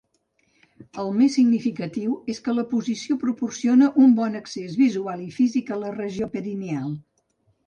El més significatiu és que la posició proporciona un bon accés visual i físic a la regió perineal.